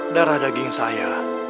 darah daging saya